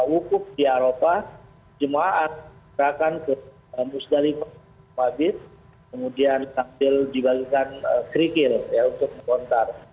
wukuf di eropa jemaat berakan ke musdalif wakil kemudian dikalkan krikil untuk mengontar